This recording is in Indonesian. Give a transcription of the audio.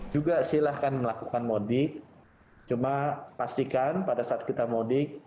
juga silahkan melakukan mudik cuma pastikan pada saat kita mudik